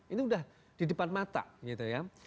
ini sudah di depan mata gitu ya